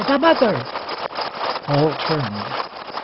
The mother!" All turned.